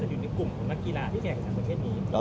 หมอบรรยาหมอบรรยา